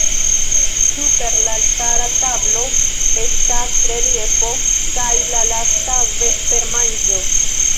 Super la altara tablo estas reliefo pri la Lasta vespermanĝo.